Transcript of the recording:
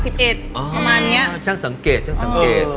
ประมาณเนี้ยช่างสังเกต